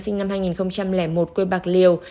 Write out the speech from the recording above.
sinh năm hai nghìn một quê bạc liều